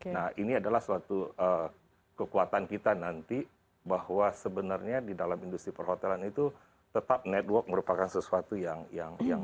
nah ini adalah suatu kekuatan kita nanti bahwa sebenarnya di dalam industri perhotelan itu tetap network merupakan sesuatu yang